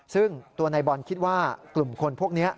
ซึ่งตัวนายบอลคิดว่ากลุ่มคนพวกนี้